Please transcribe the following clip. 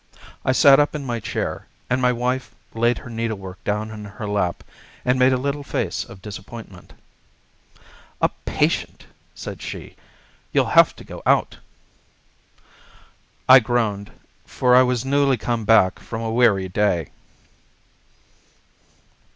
I sat up in my chair, and my wife laid her needle work down in her lap and made a little face of disappointment. "A patient!" said she. "You'll have to go out." I groaned, for I was newly come back from a weary day.